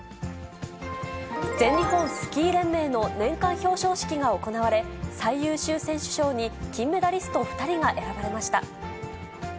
全日本スキー連盟の年間表彰式が行われ、最優秀選手賞に金メダリスト２人が選ばれました。